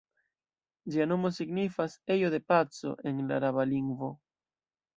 Ĝia nomo signifas "ejo de paco" en la araba lingvo.